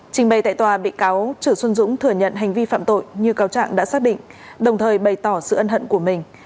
trình bày tại tòa bị cáo chử xuân dũng thừa nhận hành vi phạm tội như cáo trạng đã xác định đồng thời bày tỏ sự ân hận của mình